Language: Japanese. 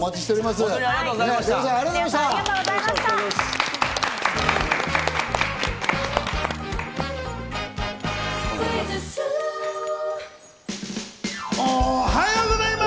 おはようございます！